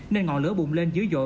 nên ngọn lửa bụng lên dưới dội